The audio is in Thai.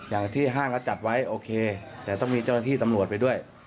อย่างที่ห้างก็จัดไว้โอเคแต่ต้องมีเจ้าหน้าที่ตำรวจไปด้วย